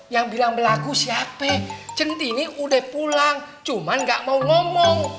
yang bilang berlagu siapa cendini udah pulang cuman gak mau ngomong